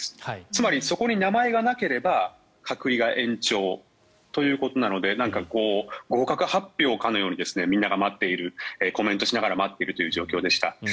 つまり、そこに名前がなければ隔離が延長ということなので合格発表かのようにみんなが待っているコメントしながら待っている状況でした。